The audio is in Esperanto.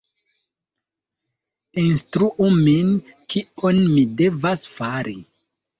Instruu min, kion mi devas fari!